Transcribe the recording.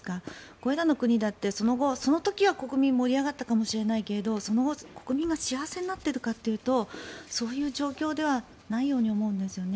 これらの国だってその後その時は国民も盛り上がったかもしれないけどその後、国民が幸せになっているかというとそういう状況ではないように思うんですよね。